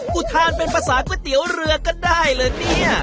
ทานเป็นภาษาก๋วยเตี๋ยวเรือก็ได้เหรอเนี่ย